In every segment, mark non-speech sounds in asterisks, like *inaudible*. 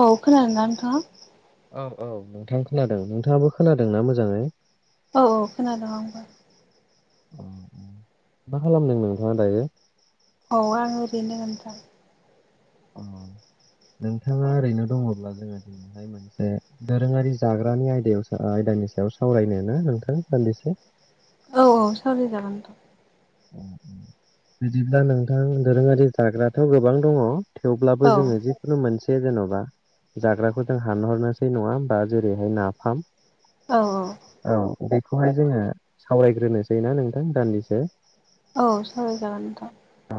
औ खोनादोंना नोंथाङा? औ औ नोंथां खोनादों नोंथाङाबो खोनादों ना मोजाङै? औ औ खोनादों आंबो अ अ मा खालामदों नोंथाङा दायो? औ आं ओरैनो नोथां अ नोंथाङा ओरैनो दङब्ला जोङो दिनैहाय मोनसे दोरोङारि जाग्रानि आयदायाव सा ओ आयदानि सायाव सावरायनोना नोंथां दान्दिसे औ औ सावराय जागोनथ' बिदिब्ला नोंथां दोरोङारि जाग्राथ' गोबां दङ थेवब्लाबो औ जोङो जिखुनु मोनसे से जेन'बा जाग्राखौ जों हानहरनोसै नङा होमबा जेरैहाय नाफाम औ औ बेखौहाय जोङो सावरायग्रोनोसै ना नोंथां दान्दिसे? औ सावराय जागोन नोंथां औ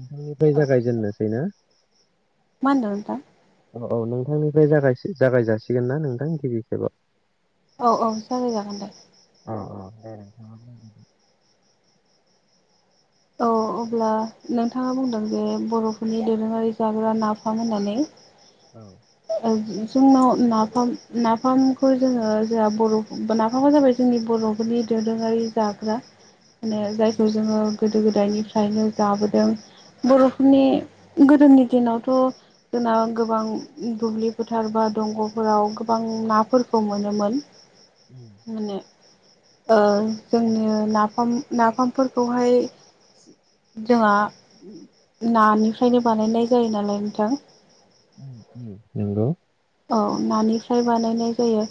नोंथांनिफ्राय औ जागायजेननोसै ना? मा होनदों नोंथां? औ औ नोंथांनिफ्राय जागायस जागाय जासिगोन ना नोंथां गिबि खेबाव? औ औ जागायजागोन दे अ अ दे नोंथाङा बुंग्रोदो औ अब्ला नोंथाङा बुंदों जे बर'फोरनि दोरोङारि जाग्रा नाफाम होननानै औ जोंनाव नाफाम नाफामखौ जोङो जोहा बर' नाफामा जाबाय जोंनि बर' फोरनि दोरोङारि जाग्रा उम मानो उम जायखौ जोङो गोदो गोदायनिफ्रायनो जाबोदों बर'फोरनि उम गोदोनि दिनावथ' जोंना गोबां दुब्लि फोथार बा दंग'फोराव गोबां नाफोरखौ मोनोमोन उम माने ओ जोंनि ओ नाफाम-नाफामफोरखौहाय जोंहा नानिफ्रायनो बानायनाय जायो नालाय नोंथां उम उम नोंगौ औ नानिफ्राय बानायनाय जायो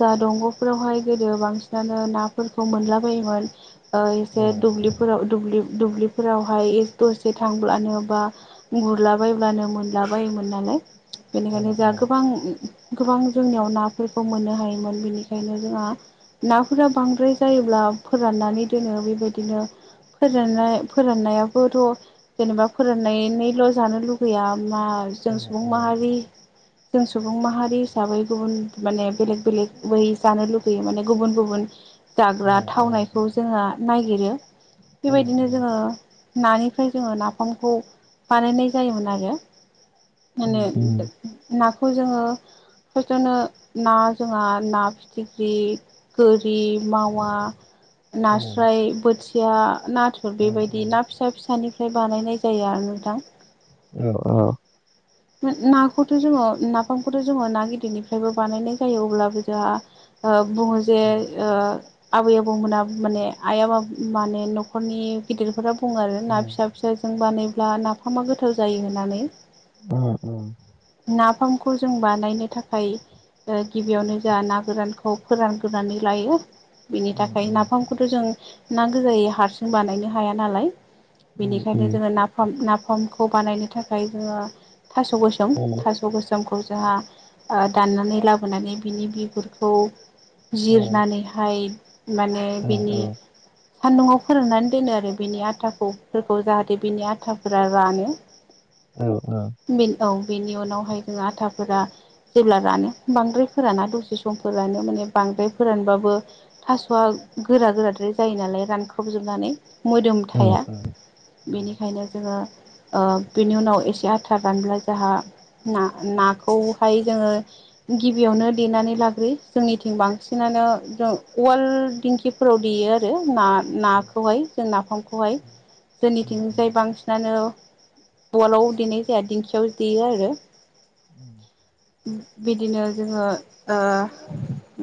जा दंग'फोरावहाय गोदो बांसिनानो नाफोरखौ मोनला बायोमोन ओ एसे उम उम दुब्लिफोराव दुब्लि दुब्लिफोरावहाय एक दसे थांब्लानो बा गुरलाबायब्लानो मोनलाबायोमोन नालाय उम बेनिखायनो जोंहा उम गोबां गोबां जोंनियाव नाफोरखौ मोननो हायोमोन बेनिखायनो जोंहा नाफोरा बांद्राय जायोब्ला फोराननानै दोनो बेबायदिनो फोरनाय -फोराननायाबो थ' जेनेबा फोराननानैल' जानो लुगैया ना जों उम उम सुबुं उम माहारि जों सुबुं माहारि हिसाबै गुबुन माने बेलेक बेलेक बै जानो लुुगैयो माने गुबुन गुबुन जाग्रा थावनायखौ जोङा नायगिरो उम बेबायदिनो जोङो नानिफ्राय जोङो नाफामखौ बानायनाय जायोमोन आरो उम माने *unintelligible* नाखौ जोङो फार्स्टआवनो ना जोंहा ना फिथिख्रि गो रि मावा उम उम नास्राय बोथिया नाथुर बेबायदि उम ना फिसा फिसानिफ्राय बानायनाय जायो आरो नोंथां औ औ *unintelligible* ना खौथ' जोङो नाफामखौथ' जोङो ना गिदिरनिफ्रायबो बानायनाय जायो अब्लाबो जोहा ओ बुङो जे औ ओ आबै आबौमोनहा माने आइ आबा माने न'खरनि गिदिरफोरा बुङो आरो ना औ फिसा फिसाजों बानायोब्ला नाफामा गोथाव जायो होननानै ओ ओ नाफामखौ जों बानायनो थाखाय ओ गिबियावनो जोहा ना गोरानखौ फोरानग्रोनानै लायो बिनि उम थाखाय उम नाफामखौथ' जों नांगो जायो हारसिं बानायनो हाया नालाय उम उम बेनिखायनो जोङो नाफाम-नाफामखौ बानायनो थाखाय जोङो थास' जों थास' गोसोमखौ जोंहा दाननानै लाबोनानै बिनि बिगुरखौ जिरनानैहाय माने बिनि सान्दुङाव फोराननानै दोनो आरो बिनि आथाखौ फोरखौ जाहाथे बिनि आथाफोरा रानो औ औ बे औ बेनि उनावहाय जों आथाफोरा जेब्ला रानो बांद्राय फोराना दसे सम फोरानो माने बांद्राय फोरानबाबो थास'आ गोरा गोराद्राय जायो नालाय रानख्रबजोबनानै मोदोम थाया उम बेनिखायनो जोङो ओ बेनि उनाव एसे आथा रानब्ला जाहा ना-नाखौहाय जोङो गिबियावनो देनानै लाग्रोयो जोंनिथिं बांसिना नो जों उवाल दिंखिफोराव देयो आरो ना नाखौहाय जों नाफामखौहाय जोंनिथिंजाय बांसिनानो अवालाव देनाय जाया दिंखियाव देयो आरो *inaudible* बिदिनो जोङो ओ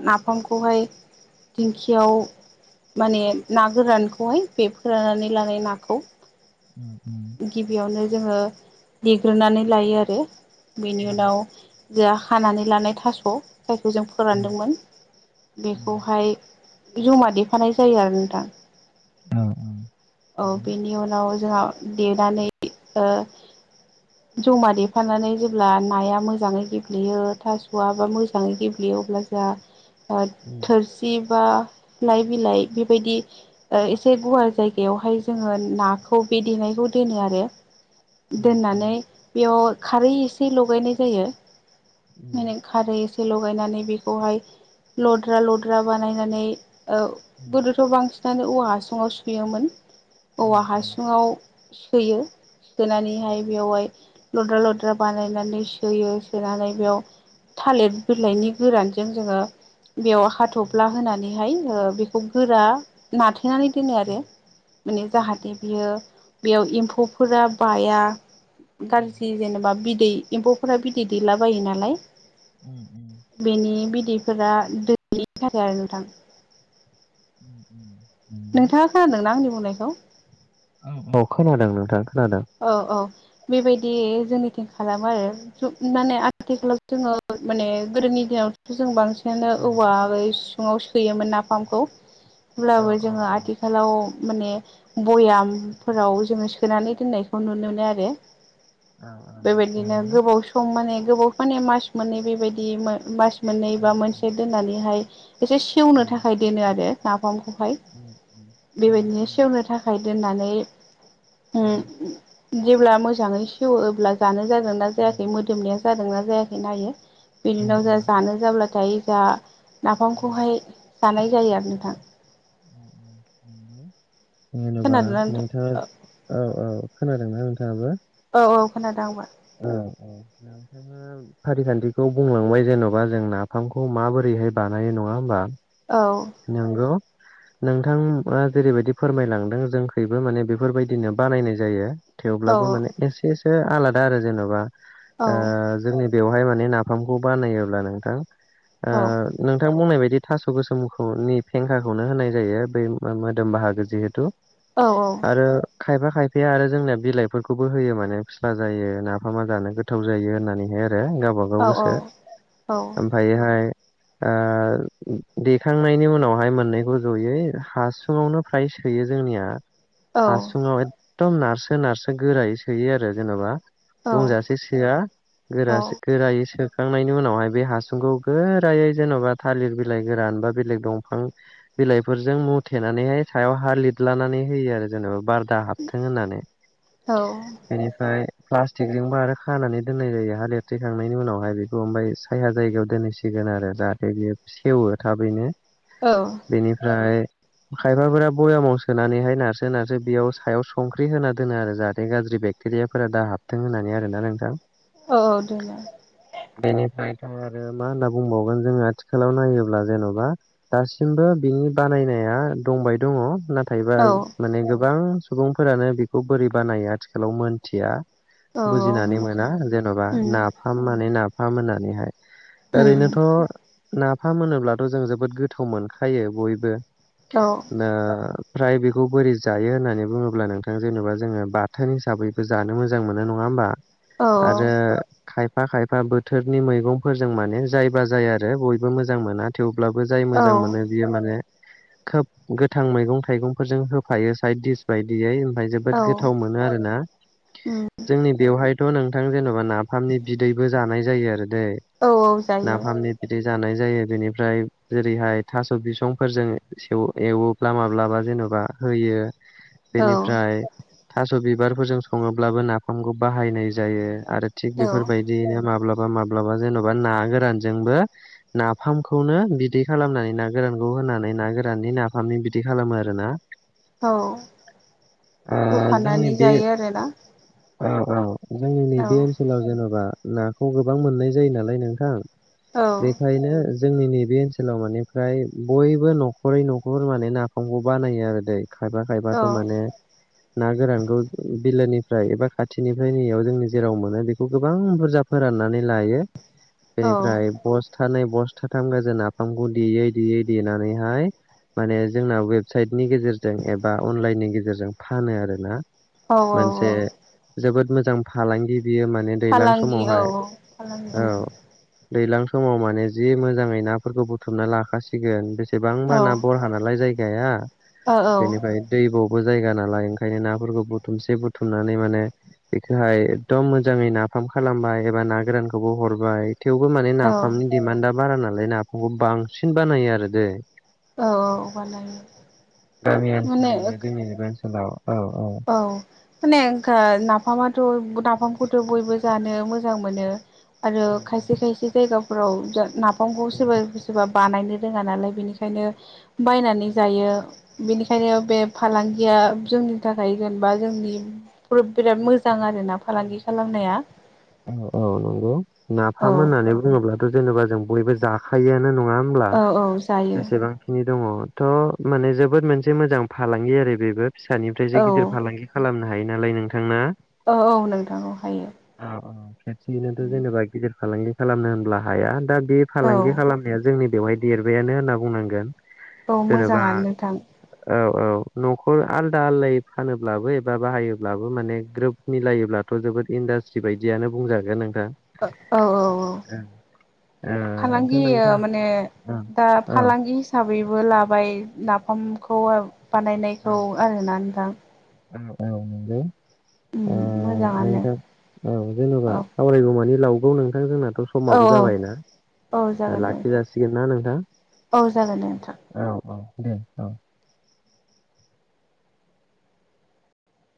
नाफामखौहाय दिंखियाव माने ना गोरानखौहाय बे फोराननानै लानाय नाखौ *inaudible* गिबियावनो जोङो देग्रोनानै लायो आरो बेनि उम उनाव जोहा हानानै लानाय थास जायखौ जों उम फोरानदोंमोन उम बेखौहाय बे जमा देफानाय जायो आरो नोंथां औ बेनि उनाव जोहा देनानै ओ जमा देफानानै जेब्ला नाया मोजाङै गेब्लेयो थासआ बा मोजाङै गेब्लेयो अब्ला जोहा ओ थोरसि बा लाइ बिलाइ बेबायदि ओ एसे गुवार जायगायावहाय जोङो नाखौ बे देनायखौ दोनो आरो *inaudible* औ खारै लगायनाय जायो ओरै खारै लगायनानै बेखौहाय लद्रा लद्रा बानायनानै औ‌ गोदोथ' बांसिनानो औवा हासुङाव सोयोमोन औवा हासुङाव सोयो सोनानैहाय बेवहाय लद्रा लद्रा बानायनानै सोयो सोनानै बेयाव थालिर बिलाइनि औ गोरानजों जोङो बेयाव हाथ'फ्ला होनानैहाय बेखौ गोरा नाथो थेनानै दोनो आरो माने जाहाथे बियो बेयाव एम्फौफोरा बाया गाज्रि जेनेबा बिदै एम्फौफोरा बिदै दैलाबायो नालाय उ *unintelligible* उैफोरा दैनि थाखाय आरोदां *unintelligible* उ *unintelligible* नोंथाङा खोनादोंना आंनि बुंनायखौ औ खोनादों नोंथां। खोनादों। औ औ बेबायदि जोंनिथिं खालामो आरो माने आथिखालाव जोङो माने गोदोनि दि जों बांसिन *unintelligible* बिदिनो औवाै सिङाव सोयोमोन नाफामखौ हब्लाबो जोङो आथिखालाव माने भयामफोराव जोङो सोनानै दोननायखौ नुनो मोनो आरो बेबायदिनो गोबाव सम माने गोबावफोरान मास मोननै बेबायदि मास मोननै बा मोनसे दोननानैहाय एसे सेवनो थाखाय दोनो आरो नाफामखौहाय बेबायदिनो सेवनो थाखाय दोननानै जेब्ला ओ मोजाङै सेवो अब्ला जानो जादों जादोंनाा जायाखै मोदोमनाया जादोंना जायाखै नायो बिनि उनाव जोंहा जानो जाब्लाथाय जा नाफामखौहाय जानाय जायो आरो नोंथां न *unintelligible* जेन'बा खोनादोंना नोंथां नोंथाङा औ औ खोनादोंना नोंथाङाबो। औ औ खोनादों आंबो औ औ नोंथाङा फारिखान्थिखौ बुंलांबाय जेन'बा जों नाफामखौ माबोरै बेहाय बानाय नङा होमबा औ नोंगौ नोंथाङा जेरैबायदि फोरमायलांदों जोंखैबो माने बेफोरबायदिनो बानायनाय जायो। औ थेवब्लाबो माने एसेसो आलादा आरो जेन'बा औ आ जोंनि बेवहाय माने नाफामखौ बानायोब्ला नोंथां ओ ‌नोंथां बुंनाय बायदि थास' गोसोम नि फेंखाखौनो होनाय जायो बै मोदोम बाहागो जिहेथु औ आरो खायफा खायफाया आरो जोंनिया बिलाइफोरखौबो होयो माने फिस्ला जायो नाफामा जानो गोथाव जायो होननानैहाय गाव गाव औ गोसो औ आमफ्रायो हाय ओ देखांनायनि उनावहाय मोननैखौ जयै हासुङावनो फ्राय सोयो जोंनिया औ हासुङाव एकदम नारसो नारसो गोरायै सोयो आरो जेन'बा औ बुंजासै सोआ औ गोर गोरायो सो सोखांनायनि उनावहाय बे हासुंखौ गोरायै जेन'बा थालिर बिलाइ गोरान बा बेले दंफां बिलाइफोरजों मुथेनानैहाय सायाव हा लिरलानानै होयो आरो जेनेबा बार दा हाबथों होननानै औ बेनिफ्राय प्लास्टिकजोंबो आरो खानानै दोननाय जायो हहा लिरथैखांनायनि उनावहाय बेखौ ओमाय साया जायगायाव दोनहैसिगोन। आरो जाहाथे बेयो सेवो थाबैनो औ बेनिफ्राय खायफाफोरा बयामाव सोनानैहाय नारसो नारसो बेयाव सायाव संख्रि होना दोनो आरो जाहाथे गाज्रि बेक्टेरियाफोरा दा हाबथों होननानै आरोना नोंथां औ देना दा आरो मा होनना बुंबावगोन जोङो आथिखालाव नायोब्ला जेन'बा दासिमबो बिनि बानायनाया दंबाय दङ नाथायबा औ माने गोबां सुबुंफोरानो बेखौ बोरै बानाय आथिखालाव मोनथिया औ बुजिनानै मोनसे मोना जेन'बा उम नाफाम माने नाफाम होननानैहाय उम ओरैनोथ' नाफाम होनोब्लाथ' जों जोबोद गोथाव मोनखायो बयबो औ ना ओमफ्राय बेखौ बोरै जायो होननानै बुङोब्ला नोंथां जेनेबा जोङो बाथोन हिसाबैबो जानो मोजां मोनो नङा होमबा? औ आरो खाय खफा खायफा बोथोरनि मैगंफोरजों माने जायबा जाया आरो बयबो मोजां मोना थेवबो अब्लाबो जाय औ मोजां मोनो बियो माने खोब गोथां मैगं थाइगंफोरजों होफायो साइद दिस बायदियै जोबोद औ गोथाव मोनो आरोना उम जोंनि बेवहायथ' नों थां जेनेबा नाफामनि बिदैबो जानाय जायो आरो दै औ जायो नाफामनि बिदै जानाय जायो बेनिफ्राय जेरैहाय थास' बिसंफोरजों सेव एवोब्ला माब्लाबा जेनेबा होयो। औ बेनिफ्राय थास' बिबारफोरजों सङोब्लाबो नाफामखौ बाहायनाय जायो। आरो थिग औ बेफोरबायदिनो माब्लाबा माब्लाबा जेन'बा ना गोरानजोंबो नाफामखौनो बि दै खालामनानै ना गोरानखौ होनानै ना गोराननि नाफामनि बिदि खालामो आरो ना। औ जोंनि होफानानै बे जायो आरोना? औ औ जोंनि औ नैबे ओनसोलाव जेन'बा नाखौ गोबां मोननाय जायो नालाय नोंथां औ बेखायनो जोंनि नैबे ओनसो लाव बिनिफ्फ्राय बयबो न'खरै न'खर माने नाफामखौ बानायो आरो दै। खायफा औ खायफाथ' माने ना गोरानखौ बिलोनि फ्राय एबा खाथिनिफ्राय नैयाव जोंनि जेराव मोनो बेखौ गोबां बुरजा फोराननानै लायो। औ बेनिफ्राय बस्थानैै बस्थाथाम गोजों ना फामखौ देयै देयै देनानैहाय माने जोंनाव वेबसाइटनि गेजेरजों एबा अनलाइननि गेजेरजों फानो आरोना। औ मोनसे जोबोद मोजां फालांगि बियो माने दैज्लां फालांगि औ समावहाय औ फालांगि औ। उम दैज्लां समाव माने जि मोजाङै नाफोरखौ बुथुमना लाखाासिगोन बे सेबांबा औ ना ओ बरहा नालाय जायगाया औ औ बेनिफ्राय दै ब बे जायगा नालाय ओंखायनो नाफोरखौ बुथुमसे बुथुमनानै माने बेखौहाय एकदम मोजाङै नाफाम खालामबाय एबा ना गोरानखौबो हरबाय थेवबो माने औ नाफामनि दिडमान्डआ बारा नालाय नाफामखौ बांसिन बानायो आरो दैे। *unintelligible* औ बानायो माने जोंनिनो बे ओनसोलाव औ औ माने गो नाफामाथ' गुदाम नाफामखौथ' बयबो जानो मोजां मोनो आरो खायसे औ खायसे जायगाफोराव जा ना बिफांखौ सोरबा सोरबा बानायनो रोङा नालाय बेनिखायनो बायनानै जायो बेनिखायनो औ बे फालांगिया जोंनि थाखाय जेनबा जोंनि ब्र-बिराद मोजां मोजां आरोना औ औ फालांगि खालामनाया। औ औ नंगौ औ नाफाम होननानै बुङोब्लाथ' जेनेबा जों बयबो जाखायोआनो नङा नङा हब्ला औ औ जायो जसेबांखिनि दङ थ' माने जोबोद मोनसे मोजां फालांगि आरो बेबो फिसानिफ्रायसो औ गिदिर फालांगि खालाम नो हायो नालाय नोंथांना? औ औ नोंथां औ हायो। खेबसेयैनोथ' जेनेबा गिदिर फालांगि खालामनो होनब्ला हाया दा बे औ फालांगि खालामनाया जोंनि बेवहाय देरबायानो होनना बुंनांगोन। औ जेनेबा मोजाङानो नोथां। औ औ न'खर आलदा आलदायै फानोब्लाबो एबा बाहायोब्लाबो माने ग्रोब मिलायोब्लाथ' जोबोद इन्डास्ट्रि बायदियानो बुंजागोन आं ओ औ औ औ। ओ फालांगि थ' नोंथां माने औ दा औ फालांगि हिसाबै लाबाय नाफामखौ बानायनायखौ आरोना नोंथां औ औ नंगौ। मोजाङानो नोंथां औ जेनेबा औ सावरायगौमानि लावगौ नोंथां जोंना नोंथां औ समाबो जाबायना। औ जागोन दे लाखि नोंथां जासिगोनना नोंथां औ जागोन दे नोंथां औ औ। दे औ।